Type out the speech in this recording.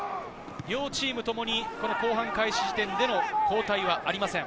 両チームともに後半開始時点での交代はありません。